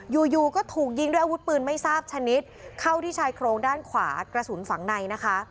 อยู่อยู่ก็ถูกยิงด้วยอาวุธปืนไม่ทราบชนิดเข้าที่ชายโครงด้านขวากระสุนฝั่งในนะคะ